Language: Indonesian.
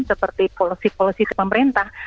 seperti polosi polosi pemerintah